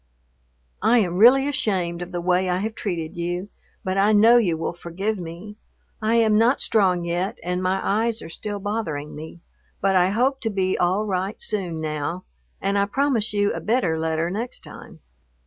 I am really ashamed of the way I have treated you, but I know you will forgive me. I am not strong yet, and my eyes are still bothering me, but I hope to be all right soon now, and I promise you a better letter next time.